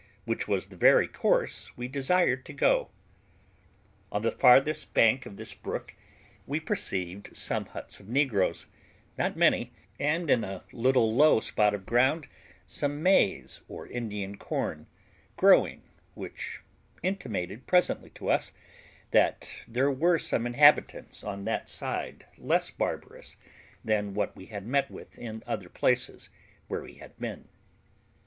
which was the very course we desired to go. On the farthest bank of this brook, we perceived some huts of negroes, not many, and in a little low spot of ground, some maize, or Indian corn, growing, which intimated presently to us, that there were some inhabitants on that side less barbarous than what we had met with in other places where we had been.